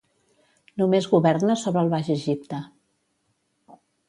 Només governa sobre el Baix Egipte.